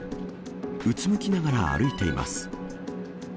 うつむきながら歩いています。